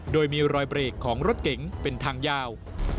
โดยมีรอยเบรกของรถเก๋งเป็นทางยาว